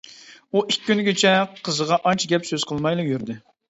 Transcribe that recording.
ئۇ ئىككى كۈنگىچە قىزغا ئانچە گەپ سۆز قىلمايلا يۈردى.